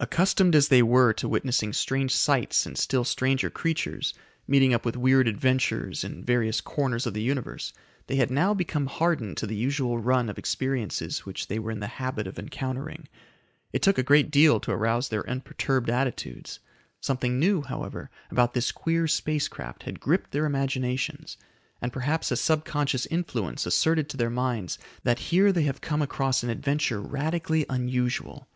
Accustomed as they were to witnessing strange sights and still stranger creatures, meeting up with weird adventures in various corners of the Universe, they had now become hardened to the usual run of experiences which they were in the habit of encountering. It took a great deal to arouse their unperturbed attitudes. Something new, however, about this queer space craft had gripped their imaginations, and perhaps a subconscious influence asserted to their minds that here they have come across an adventure radically unusual.